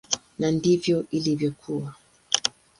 Na ndivyo ilivyokuwa.